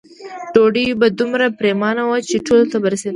ډوډۍ به دومره پریمانه وه چې ټولو ته به رسېده.